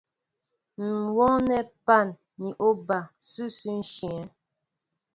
M̀ wooyɛ pân ni oba ǹsʉsʉ ǹshyə̂.